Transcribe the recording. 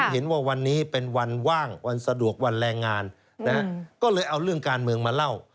เห็นว่าวันนี้เป็นวันว่างวันสะดวกวันแรงงานก็เลยเอาเรื่องการเมืองมาเล่า